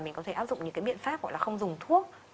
mình có thể áp dụng những cái biện pháp gọi là không dùng thuốc